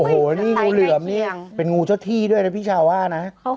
โอ้โฮนี่งูเหลือมนี่เป็นงูเจ้าที่ด้วยนะพี่ชาว่านะใส่ใกล้เคียง